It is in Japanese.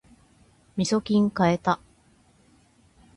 みそきん買えた